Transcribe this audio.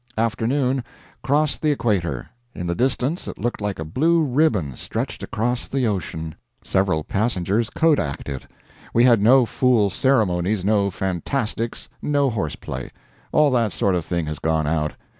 Afternoon. Crossed the equator. In the distance it looked like a blue ribbon stretched across the ocean. Several passengers kodak'd it. We had no fool ceremonies, no fantastics, no horse play. All that sort of thing has gone out.